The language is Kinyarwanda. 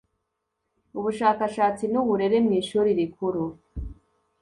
ubushakashatsi n uburere mu ishuri rikuru